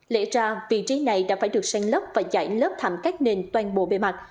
lẽ ra vị trí này đã phải được sàn lấp và giải lớp thẳm cát nền toàn bộ bề mặt